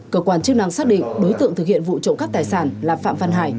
cơ quan chức năng xác định đối tượng thực hiện vụ trộn các tài sản là phạm văn hải